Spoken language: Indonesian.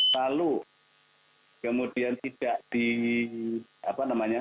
lalu kemudian tidak di apa namanya